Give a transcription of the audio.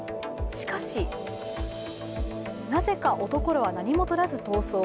しかし、なぜか、男らは何も取らず逃走。